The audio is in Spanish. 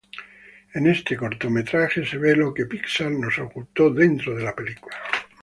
En este cortometraje, se ve lo que Pixar nos ocultó dentro de la película.